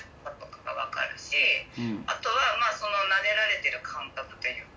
あとはまぁそのなでられてる感覚というか。